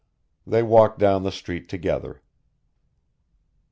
They walked down the street together.